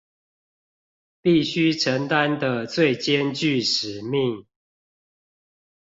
必須承擔的最艱鉅使命